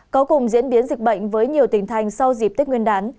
có cùng diễn biến dịch bệnh với nhiều tỉnh thành sau dịp tết nguyên đán